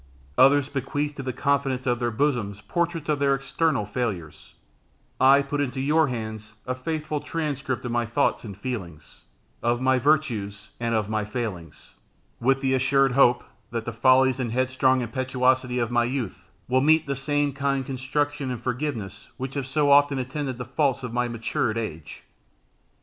Others bequeath to the confidants of their bosom portraits of their external features I put into your hands a faithful transcript of my thoughts and feelings, of my virtues and of my failings, with the assured hope, that the follies and headstrong impetuosity of my youth will meet the same kind construction and forgiveness which have so often attended the faults of my matured age.